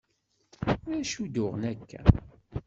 D acu i d-uɣen akka?